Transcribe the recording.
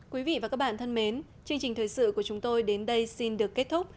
quý vị và các bạn thân mến chương trình thời sự của chúng tôi đến đây xin được kết thúc